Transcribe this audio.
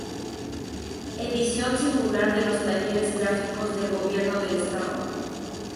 Edición singular de los Talleres Gráficos del Gobierno del Estado.